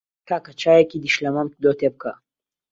کاکە چایەکی دیشلەمەم لۆ تێ بکە.